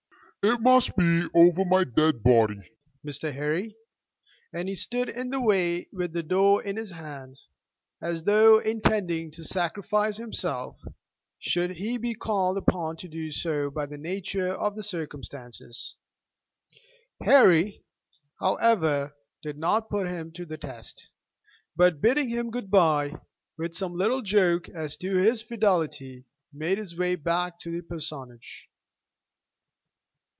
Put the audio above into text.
"It must be over my dead body, Mr. Harry," and he stood in the way with the door in his hand, as though intending to sacrifice himself should he be called upon to do so by the nature of the circumstances. Harry, however, did not put him to the test; but bidding him good bye with some little joke as to his fidelity, made his way back to the parsonage.